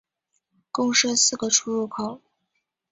共设四个出入口。